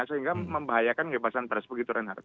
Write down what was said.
sehingga membahayakan kebebasan pres begitu renhard